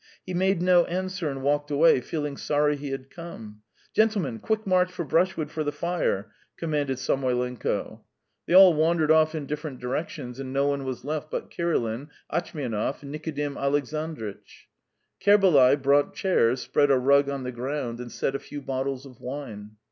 He made no answer and walked away, feeling sorry he had come. "Gentlemen, quick march for brushwood for the fire!" commanded Samoylenko. They all wandered off in different directions, and no one was left but Kirilin, Atchmianov, and Nikodim Alexandritch. Kerbalay brought chairs, spread a rug on the ground, and set a few bottles of wine.